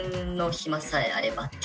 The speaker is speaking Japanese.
暇さえあれば。